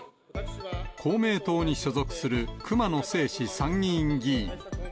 公明党に所属する熊野正士参議院議員。